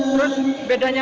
mungkin kalau perbedaannya